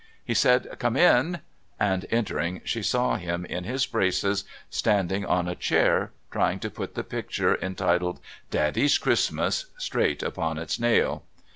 He said: "Come in," and entering, she saw him, in his braces, standing on a chair trying to put the picture entitled "Daddy's Christmas" straight upon its nail.